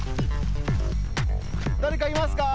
だれかいますか？